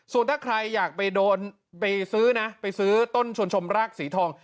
ส่วนถ้าใครอยากไปโดนไปซื้อนะไปซื้อต้นชวนชมรากสีทอง